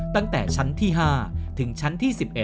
ตั้งแต่ชั้นที่๕ถึงชั้นที่๑๑